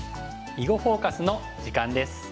「囲碁フォーカス」の時間です。